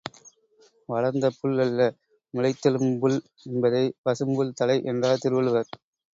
வளர்ந்த புல் அல்ல, முளைத்தெழும்புல் என்பதை பசும்புல் தலை என்றார் திருவள்ளுவர்.